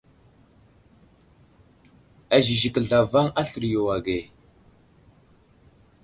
Azəziki zlavaŋ aslər yo age.